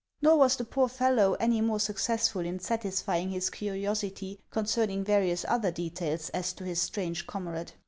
Nor was the poor fellow any more successful in satisfying his curiosity concerning various other details as to his strange comrade.